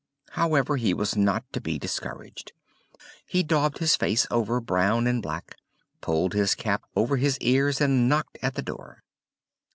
However, he was not to be discouraged; he daubed his face over brown and black; pulled his cap over his ears, and knocked at the door.